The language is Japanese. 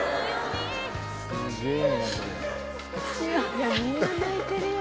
いやみんな泣いてるよ。